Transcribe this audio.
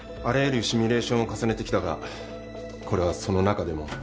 あらゆるシミュレーションを重ねてきたがこれはその中でも。